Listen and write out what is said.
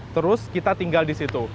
terus kita tinggal di situ